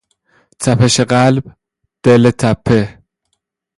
تپش قلب، دلتپه